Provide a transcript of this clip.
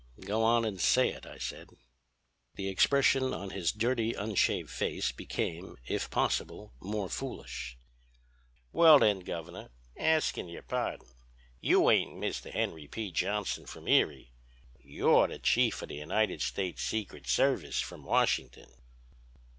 "'Go on and say it,' I said. "The expression on his dirty unshaved face became, if possible, more foolish. "'Well, then, Governor, askin' your pardon, you ain't Mr. Henry P. Johnson, from Erie; you're the Chief of the United States Secret Service, from Washington.'"